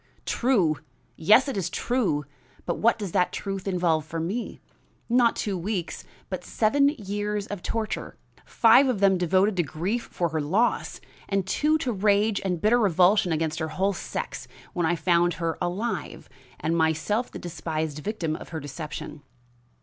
"True! yes, it is true. But what does that truth involve for me? Not two weeks, but seven years of torture, five of them devoted to grief for her, loss, and two to rage and bitter revulsion against her whole sex when I found her alive, and myself the despised victim of her deception."